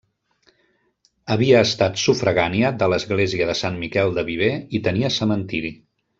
Havia estat sufragània de l'església de Sant Miquel de Viver i tenia cementiri.